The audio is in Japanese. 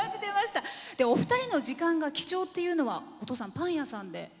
お二人の時間が貴重というのはお父さん、パン屋さんで。